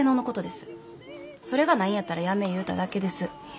それがないんやったらやめえ言うただけです。